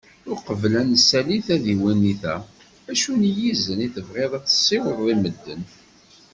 Uqbel ad nesali tadiwennit-a, acu n yizen i tebɣiḍ ad tessiwḍeḍ i medden?